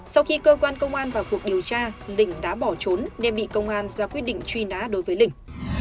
sau khi cơ quan công an vào cuộc điều tra lỉnh đã bỏ trốn nên bị công an ra quyết định truy ná đối với lỉnh